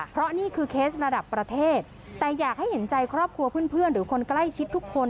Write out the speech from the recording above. เพราะนี่คือเคสระดับประเทศแต่อยากให้เห็นใจครอบครัวเพื่อนหรือคนใกล้ชิดทุกคน